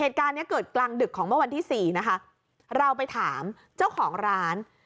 เหตุการณ์เนี้ยเกิดกลางดึกของเมื่อวันที่สี่นะคะเราไปถามเจ้าของร้าน